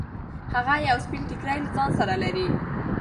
هغه یو سپین ټیکری له ځان سره لري.